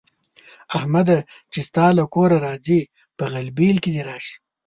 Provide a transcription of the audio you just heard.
احمده! چې ستا له کوره راځي؛ په غلبېل کې دې راشي.